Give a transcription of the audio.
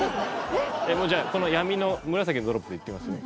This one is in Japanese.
じゃあ闇の紫のドロップでいってみますね。